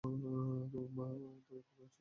তোর মা আর তুই অপেক্ষা করছিস।